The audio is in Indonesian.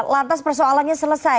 lantas persoalannya selesai